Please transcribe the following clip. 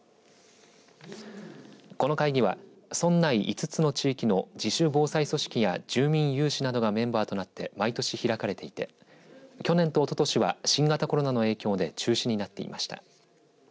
この会議は村内５つの地域の自主防災組織や住民有志などがメンバーとなって毎年開かれていて去年とおととしは新型コロナの影響で中止になっていました。